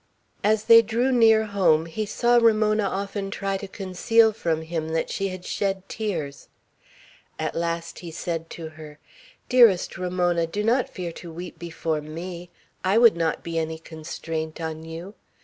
As they drew near home, he saw Ramona often try to conceal from him that she had shed tears. At last he said to her: "Dearest Ramona, do not fear to weep before me. I would not be any constraint on you.